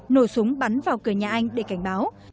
nổ súng bắn vào cửa nhà anh để cảnh báo